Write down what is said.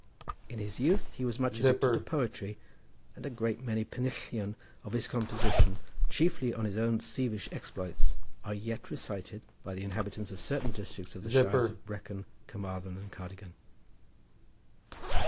In his youth he was much addicted to poetry, and a great many pennillion of his composition, chiefly on his own thievish exploits, are yet recited by the inhabitants of certain districts of the Shires of Brecon, Carmarthen, and Cardigan.